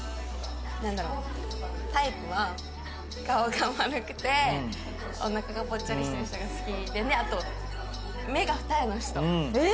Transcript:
タイプは顔が丸くておなかがぽっちゃりしてる人が好きでねあと目が二重の人なんですよ。